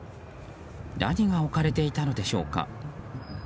何が置かれていたのでしょうか。